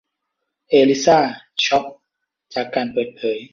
เอลิซ่าช็อคจากการเปิดเผย